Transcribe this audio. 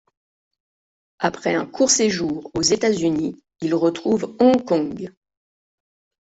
Après un court séjour aux États-Unis, il retrouve Hong Kong.